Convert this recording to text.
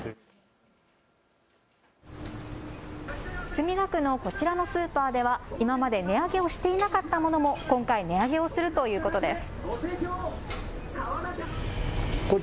墨田区のこちらのスーパーでは今まで値上げをしていなかったものも今回、値上げをするということです。